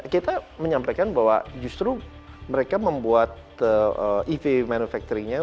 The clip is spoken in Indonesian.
kita menyampaikan bahwa justru mereka membuat ev manufacturing nya